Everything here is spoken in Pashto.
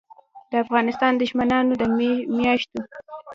دافغانستان دښمنانودمیاشتو